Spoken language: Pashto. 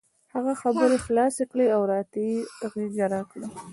هغه خبرې خلاصې کړې او راته یې غېږه راکړه.